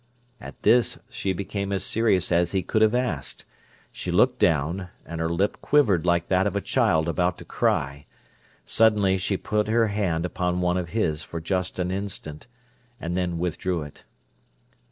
At this she became as serious as he could have asked; she looked down, and her lip quivered like that of a child about to cry. Suddenly she put her hand upon one of his for just an instant, and then withdrew it.